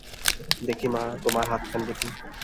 দেখি মা, তোমার হাতখানি দেখি।